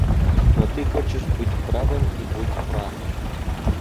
Но ты хочешь быть правым, и будь прав.